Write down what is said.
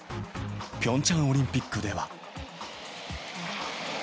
ピョンチャンオリンピックでは。